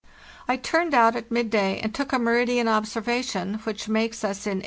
I turned out at midday and took a meridian observation, which makes us in 85° 59 N.